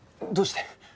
どうして？